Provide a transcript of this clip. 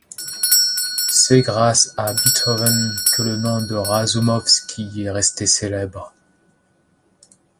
C'est grâce à Beethoven que le nom de Razoumovsky est resté célèbre.